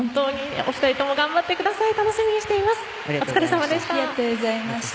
お疲れさまでした。